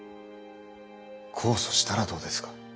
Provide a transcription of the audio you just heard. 控訴したらどうですか？